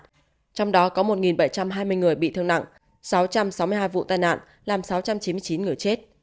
trong đó có một bảy trăm hai mươi người bị thương nặng sáu trăm sáu mươi hai vụ tai nạn làm sáu trăm chín mươi chín người chết